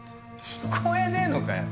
聞こえねえのかよ？